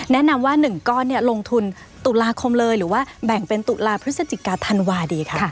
แนะนำว่า๑ก้อนลงทุนตุลาคมเลยหรือว่าแบ่งเป็นตุลาพฤศจิกาธันวาดีค่ะ